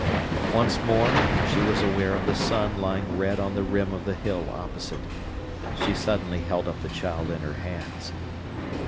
Once more she was aware of the sun lying red on the rim of the hill opposite. She suddenly held up the child in her hands.